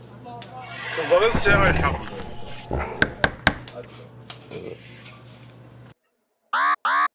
Teẓriḍ sɛiɣ lḥeqq.